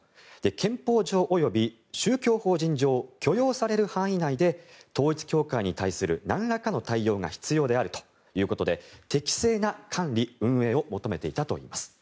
憲法上及び宗教法人上許容される範囲内で統一教会に対するなんらかの対応が必要であるということで適正な管理・運営を求めていたといいます。